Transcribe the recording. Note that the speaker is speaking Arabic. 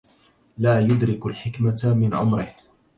لا يدرك الحكمة من عمره